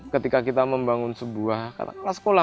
ketika kita membangun sebuah kelas sekolah